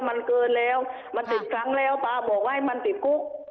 มันเกินแล้วมันติดครั้งแล้วป้าบอกว่าให้มันติดคุก